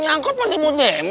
ini angkot pake mode modem